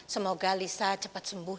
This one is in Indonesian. semoga lisa cepat sembuh